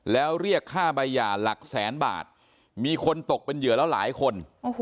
แล้วเรียกค่าใบหย่าหลักแสนบาทมีคนตกเป็นเหยื่อแล้วหลายคน